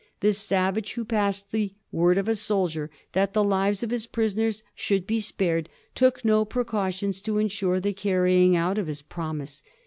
The savage who passed ''the word of a soldier" that the lives of his pris* oners should be spared took no precautions to insure the carrying out of his promise.